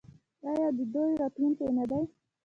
آیا او د دوی راتلونکی نه دی؟